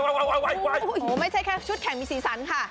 โอ้โหไม่ใช่แค่ชุดแข่งมีสีสันค่ะ